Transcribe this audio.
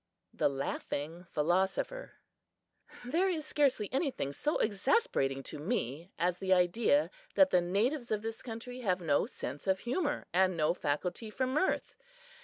The Laughing Philosopher THERE is scarcely anything so exasperating to me as the idea that the natives of this country have no sense of humor and no faculty for mirth.